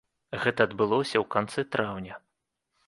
Гэта адбылося ў канцы траўня.